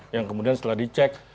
yang kemudian setelah dicek